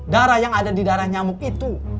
darah yang ada di darah nyamuk itu